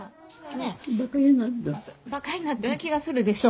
バカになったような気がするでしょ？